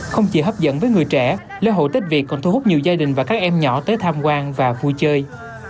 không chỉ hấp dẫn với người trẻ lễ hội tết việt còn thu hút nhiều gia đình và các em nhỏ tới tham quan và vui chơi